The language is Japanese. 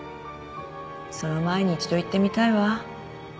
その前に一度行ってみたいわ。